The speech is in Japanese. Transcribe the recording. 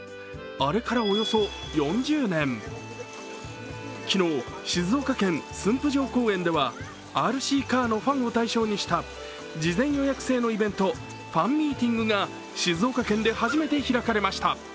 あれから、およそ４０年、昨日、静岡県駿府城公園ではＲＣカーのファンを対象にした事前予約制のイベントファンミーティングが静岡県で初めて開かれました。